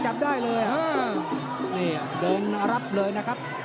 จับได้เลยนี่เดินรับเลยนะครับ